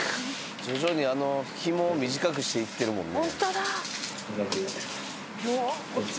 徐々にひもを短くして行ってるもんね。